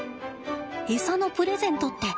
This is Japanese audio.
餌のプレゼントって